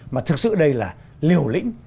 mà thực sự đây là liều lĩnh